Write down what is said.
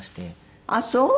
あっそう。